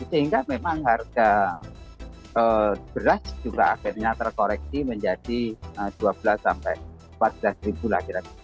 sehingga memang harga beras juga akhirnya terkoreksi menjadi rp dua belas sampai rp empat belas lagi